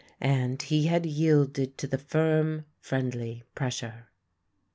" and he had yielded to the firm friendly pressure.